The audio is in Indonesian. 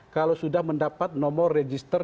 kalau sudah mendapat nomor register